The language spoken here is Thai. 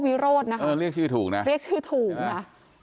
วิโรธนะคะเออเรียกชื่อถูกนะเรียกชื่อถูกนะ